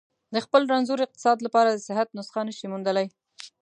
د خپل رنځور اقتصاد لپاره د صحت نسخه نه شي موندلای.